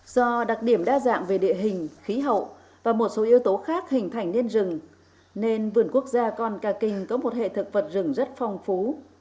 do đặc điểm đa dạng về địa hình khí hậu và một số yếu tố khác hình thành nên rừng nên vườn quốc gia con ca kinh có một hệ thực vật rừng rất phong phú